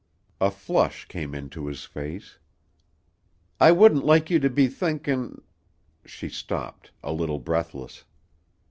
A flush came into his face. "I wouldn't like you to be thinkin' " She stopped, a little breathless.